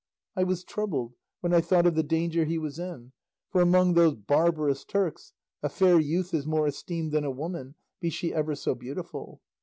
I was troubled when I thought of the danger he was in, for among those barbarous Turks a fair youth is more esteemed than a woman, be she ever so beautiful.